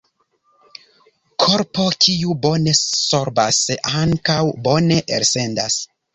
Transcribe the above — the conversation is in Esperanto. Korpo kiu bone sorbas ankaŭ bone elsendas.